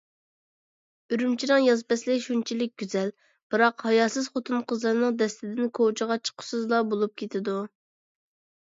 ئۈرۈمچىنىڭ ياز پەسلى شۇنچىلىك گۈزەل، بىراق ھاياسىز خوتۇن-قىزلارنىڭ دەستىدىن كوچىغا چىققۇسىزلا بولۇپ كېتىدۇ.